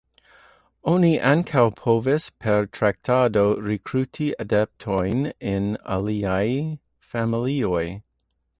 Oni ankaŭ povas per traktado rekruti adeptojn en aliaj familioj.